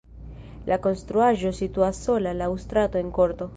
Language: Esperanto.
La konstruaĵo situas sola laŭ strato en korto.